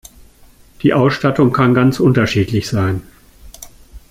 Die Ausstattung kann ganz unterschiedlich sein.